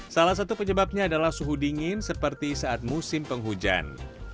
salah satu penyebabnya adalah suhu dingin seperti saat musim penghujan